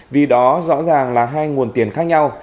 vì đó rõ ràng là hai nguồn tiền khác nhau